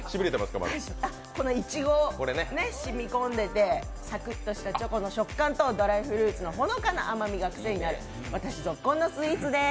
このいちご、しみこんでてサクッとしたチョコの食感とドライフルーツのほのかな甘みが癖になる私ゾッコンのスイーツです。